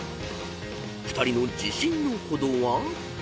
［２人の自信の程は］